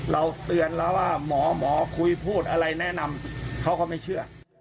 เราเตือนแล้วว่าหมอหมอคุยพูดอะไรแนะนำเขาก็ไม่เชื่อ